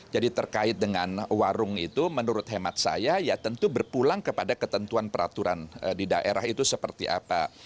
jadi terkait dengan warung itu menurut hemat saya ya tentu berpulang kepada ketentuan peraturan di daerah itu seperti apa